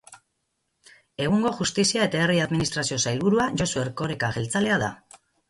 Egungo Justizia eta Herri Administrazio Sailburua Josu Erkoreka jeltzalea da.